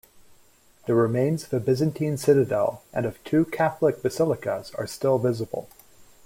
The remains of a Byzantine citadel and of two Catholic basilicas are still visible.